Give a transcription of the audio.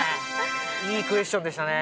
いいクエスチョンでしたね